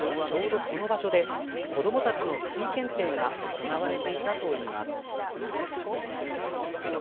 ちょうどこの場所で子どもたちのスキー検定が行われていたといいます。